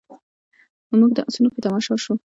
موږ د اسونو په تماشه شوو.